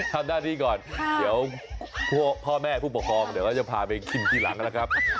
ทำหน้าที่ก่อนเดี๋ยวพ่อแม่ผู้ปกครองเดี๋ยวก็จะพาไปกินทีหลังนะครับ